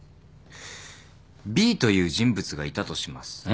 Ｂという人物がいたとします。